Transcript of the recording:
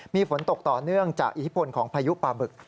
มีฝนตกต่อเนื่องจากอิทธิพลของพายุปลาบึก